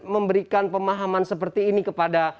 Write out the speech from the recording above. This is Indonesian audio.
memberikan pemahaman seperti ini kepada